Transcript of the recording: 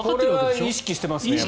これは意識してますね。